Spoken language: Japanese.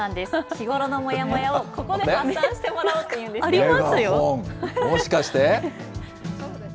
日頃のもやもやをここで発散してもらおうといありますよ。